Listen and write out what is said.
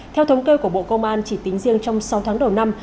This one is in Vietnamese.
theo thống kê của bộ công an chỉ tính riêng trong sáu tháng đầu năm